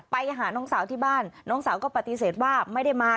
ไปหาน้องสาวที่บ้านน้องสาวก็ปฏิเสธว่าไม่ได้มา